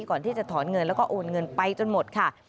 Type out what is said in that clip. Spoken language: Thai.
ก่อนที่จะถอนเงินแล้วก็โอนเงินไปจนหมดค่ะ